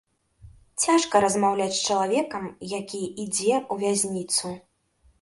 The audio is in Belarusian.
Цяжка размаўляць з чалавекам, які ідзе ў вязніцу.